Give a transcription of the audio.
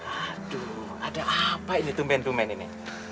aduh ada apa ini tumben tumben ini